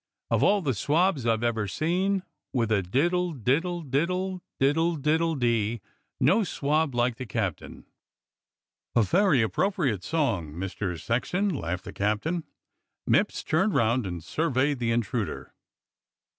Of all the swabs I've ever seen With a diddle diddle diddle diddle diddle diddle dee No swab like the captain. "A very appropriate song, Master Sexton," laughed the captain. Mipps turned round and surveyed the intruder.